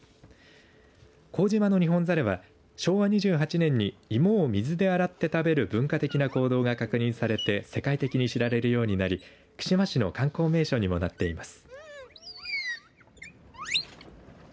幸島のニホンザルは昭和２８年に芋を水で洗って食べる文化的な行動が確認されて世界的に知られるようになり串間市の観光名所にもなっています。